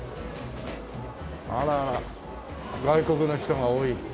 あらあら外国の人が多い。